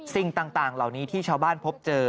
สิ่งต่างเหล่านี้ที่ชาวบ้านพบเจอ